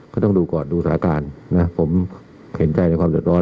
ก็ต้องดูก่อนดูสถานการณ์นะผมเห็นใจในความเดือดร้อน